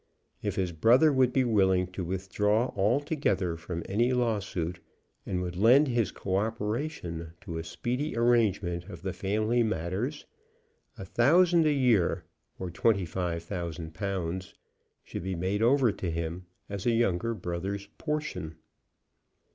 If his brother would be willing to withdraw altogether from any lawsuit, and would lend his co operation to a speedy arrangement of the family matters, a thousand a year, or twenty five thousand pounds, should be made over to him as a younger brother's portion.